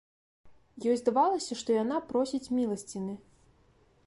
Ёй здавалася, што яна просіць міласціны.